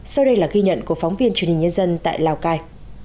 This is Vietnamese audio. sau đây là ghi nhận của phóng viên truyền hình nhân dân tại lào cai